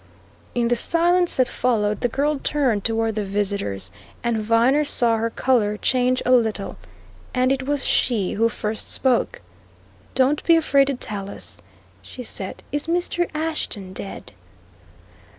In the silence that followed, the girl turned toward the visitors, and Viner saw her colour change a little. And it was she who first spoke. "Don't be afraid to tell us," she said. "Is Mr. Ashton dead?"